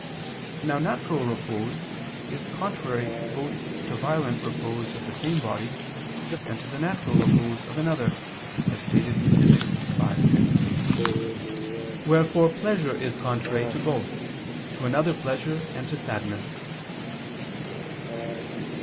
Now natural repose is contrary both to violent repose of the same body, and to the natural repose of another, as stated in Phys. v, 6. Wherefore pleasure is contrary to both to another pleasure and to sadness.